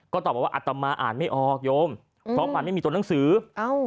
ก็ตอบว่าอัตมาอ่านไม่ออกโยมเพราะมันไม่มีตัวหนังสือเอ้า